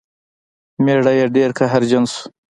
میړه یې ډیر قهرجن شو.